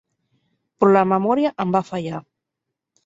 Però la memòria em va fallar.